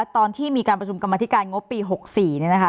ตอนที่มีการประชุมกรรมธิการงบปี๖๔เนี่ยนะคะ